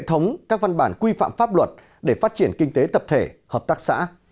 hợp tác xã